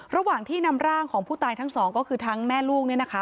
ระหว่างที่นำร่างของผู้ตายทั้งสองก็คือทั้งแม่ลูกเนี่ยนะคะ